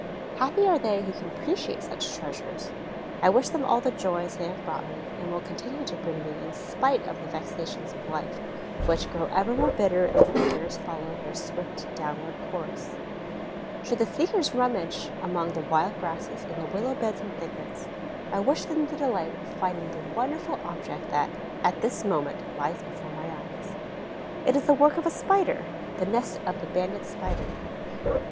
Happy are they who can appreciate such treasures! I wish them all the joys they have brought me and will continue to bring me, in spite of the vexations of life, which grow ever more bitter as the years follow their swift downward course. Should the seekers rummage among the wild grasses in the willow beds and thickets, I wish them the delight of finding the wonderful object that, at this moment, lies before my eyes. It is the work of a Spider, the nest of the Banded Spider.